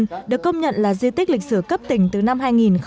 hồ yên được công nhận là di tích lịch sửa cấp tỉnh từ năm hai nghìn một mươi